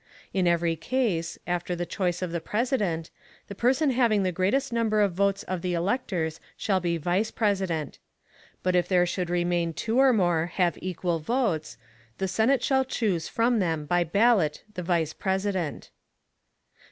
In every Case, after the Choice of the President, the Person having the greatest Number of Votes of the Electors shall be the Vice President. But if there should remain two or more have equal Votes, the Senate shall chuse from them by Ballot the Vice President.